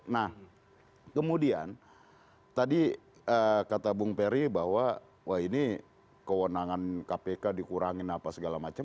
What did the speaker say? nah kemudian tadi kata bung peri bahwa wah ini kewenangan kpk dikurangin apa segala macam